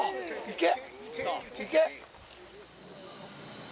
いけ。